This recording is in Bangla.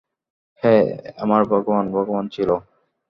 হ্যাঁ, আমার ভগবান, ভগবান ছিল।